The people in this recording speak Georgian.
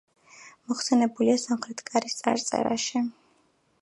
მოხსენიებულია სამხრეთის კარის წარწერაში.